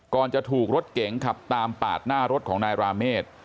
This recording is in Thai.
จะถูกรถเก๋งขับตามปาดหน้ารถของนายราเมฆ